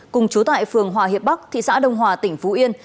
cùng trú tại phường hòa hiệp bắc thị xã đồng hòa tỉnh phú yên